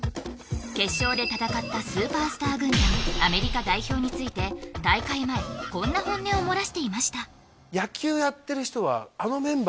決勝で戦ったスーパースター軍団アメリカ代表について大会前こんな本音を漏らしていました